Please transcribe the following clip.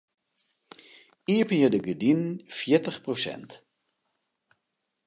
Iepenje de gerdinen fjirtich prosint.